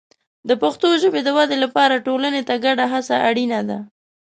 د پښتو ژبې د ودې لپاره ټولنې ته ګډه هڅه اړینه ده.